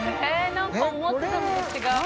何か思ってたのと違う。